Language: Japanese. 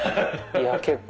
いや結構。